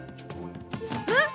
えっ！？